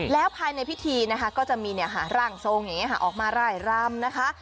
แล้วภายในพิธีก็จะมีร่างทรงออกมาไล่รำนะคะ